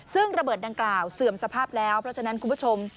ซึ่งระเบิดดังกล่าวเสื่อมสภาพแล้วเพราะฉะนั้นคุณผู้ชม